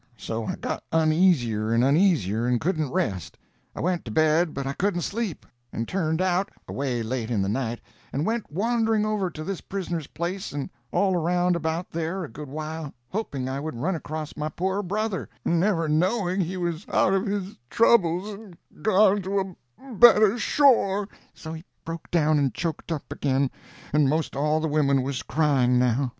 So I got uneasier and uneasier, and couldn't rest. I went to bed, but I couldn't sleep; and turned out, away late in the night, and went wandering over to this prisoner's place and all around about there a good while, hoping I would run across my poor brother, and never knowing he was out of his troubles and gone to a better shore—" So he broke down and choked up again, and most all the women was crying now.